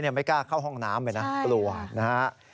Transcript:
จะไม่กล้าเข้าห้องน้ำไปนะปล่วงนะ